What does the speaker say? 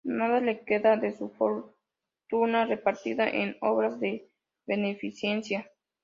Nada le quedaba de su fortuna, repartida en obras de beneficencia.